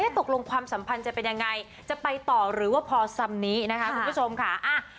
ตกลงความสัมพันธ์จะเป็นยังไงจะไปต่อหรือว่าพอซ้ำนี้นะคะคุณผู้ชมค่ะ